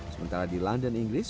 sementara di london inggris